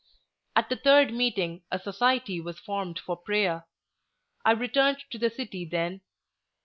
At the third meeting a society was formed for prayer. I returned to the city then.